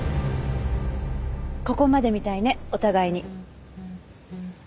ここまでみたいねお互いに。